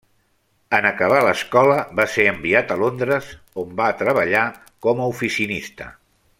En acabar l'escola, va ser enviat a Londres, on va treballar com a oficinista.